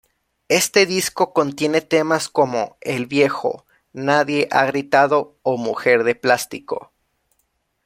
Este disco contiene temas como "El viejo", "Nadie ha gritado" o "Mujer de plástico".